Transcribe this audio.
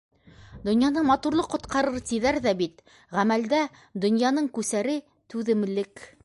Донъяны матурлыҡ ҡотҡарыр тиҙәр ҙә бит, ғәмәлдә донъяның күсәре - Түҙемлек.